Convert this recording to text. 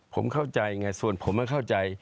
ผมเข้าใจไงส่วนผมไม่เข้าใจ